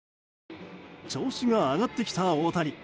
調子が上がってきた大谷。